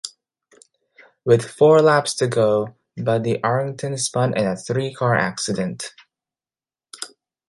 With four laps to go, Buddy Arrington spun in a three-car accident.